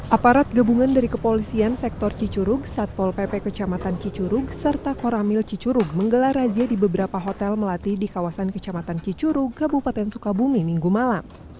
aparat gabungan dari kepolisian sektor cicurug satpol pp kecamatan cicurug serta koramil cicurug menggelar razia di beberapa hotel melati di kawasan kecamatan cicuru kabupaten sukabumi minggu malam